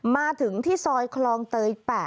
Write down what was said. มาถึงที่ซอยคลองเตย๘